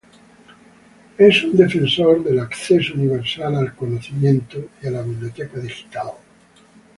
Es un defensor del acceso universal al conocimiento y a la biblioteca digital.